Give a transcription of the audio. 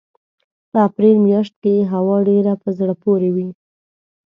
په اپرېل مياشت کې یې هوا ډېره په زړه پورې وي.